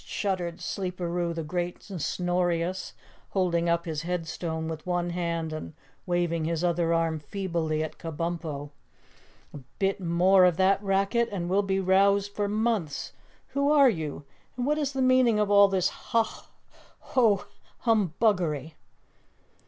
shuddered Sleeperoo the Great and Snorious, holding up his headstone with one hand and waving his other arm feebly at Kabumpo. "A bit more of that racket and we'll be roused for months. Who are you? And what is the meaning of all this Hah Hoh Humbuggery?"